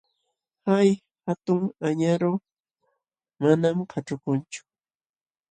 Hay hatun añaru manam kaćhukunchu.